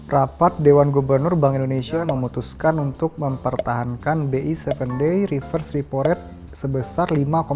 rapat dewan gubernur bank indonesia memutuskan untuk mempertahankan bi tujuh day reverse repo rate sebesar lima tiga